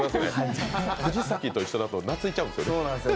藤崎と一緒だと懐いちゃうんですね。